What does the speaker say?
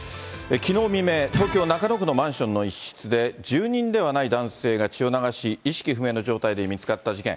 きのう未明、東京・中野区のマンションの一室で、住人ではない男性が血を流し、意識不明の状態で見つかった事件。